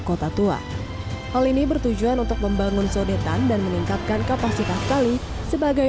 kota tua hal ini bertujuan untuk membangun sodetan dan meningkatkan kapasitas kali sebagai